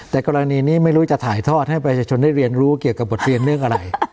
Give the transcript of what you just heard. แต่กรณีนี้ไม่รู้จะถ่ายทอดให้ประชาชนได้เรียนรู้เกี่ยวกับบทเรียนเรื่องอะไร